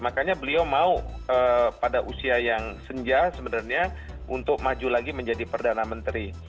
makanya beliau mau pada usia yang senja sebenarnya untuk maju lagi menjadi perdana menteri